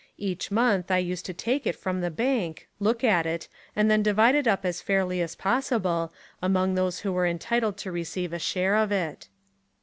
Each month I used to take it from the bank, look at it and then di vide it up as fairly as possible, among those who were entitled to receive a share of it.